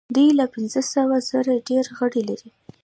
دوی له پنځه سوه زره ډیر غړي لري.